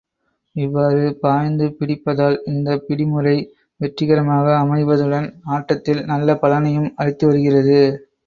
இவ்வாறு, பாய்ந்து பிடிப்பதால், இந்தப் பிடி முறை வெற்றிகரமாக அமைவதுடன், ஆட்டத்தில் நல்ல பலனையும் அளித்து வருகிறது.